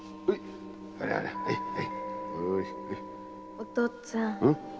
お父っつぁん。